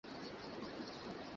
বহু দিন আগে ও আমাকে বাঁচিয়েছিল।